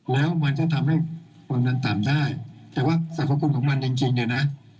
แล้วมันจะทำให้ความดันต่ำได้แต่ว่าสรรพคุณของมันจริงจริงเนี่ยนะ